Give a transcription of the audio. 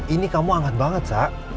ini kamu hangat banget cak